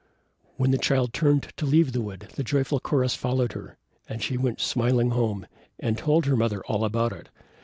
When the Child turned to leave the wood, the joyful chorus followed her, and she went, smiling, home and told her mother all about it.